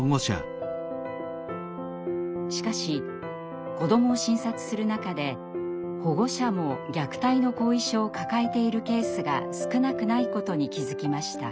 しかし子どもを診察する中で保護者も虐待の後遺症を抱えているケースが少なくないことに気付きました。